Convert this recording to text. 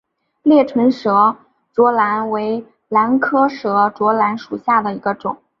裂唇舌喙兰为兰科舌喙兰属下的一个种。